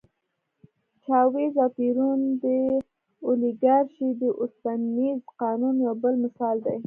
چاوېز او پېرون د اولیګارشۍ د اوسپنيز قانون یو بل مثال دی.